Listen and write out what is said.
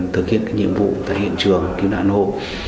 thực hiện nhiệm vụ tại hiện trường cứu nạn hộ